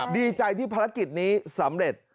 ดีใจที่ภารกิจนี้สำเร็จ